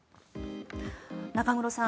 中室さん